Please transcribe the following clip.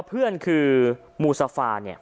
พระเจ้าอาวาสกันหน่อยนะครับ